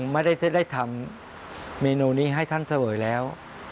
ไม่ได้ทำเมนูนี้ให้ท่านเสวยแล้ว